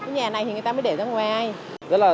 nhà này thì người ta mới để ra ngoài